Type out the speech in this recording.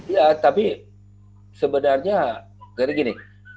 iya tapi sebenarnya gini